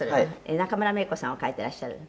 「中村メイコさんを描いていらっしゃる」